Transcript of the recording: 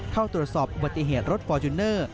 เข้าตรวจสอบอุบัติเหตุรถฟอร์จูเนอร์